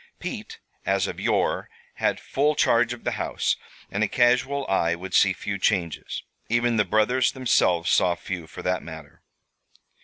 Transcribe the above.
Pete, as of yore, had full charge of the house; and a casual eye would see few changes. Even the brothers themselves saw few, for that matter.